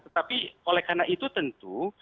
tetapi oleh karena itu tentu